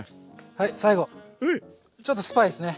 はい最後ちょっとスパイスね。